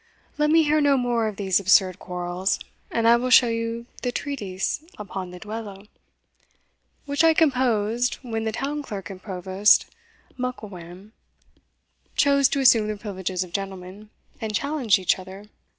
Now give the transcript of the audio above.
Let me hear no more of these absurd quarrels, and I will show you the treatise upon the duello, which I composed when the town clerk and provost Mucklewhame chose to assume the privileges of gentlemen, and challenged each other.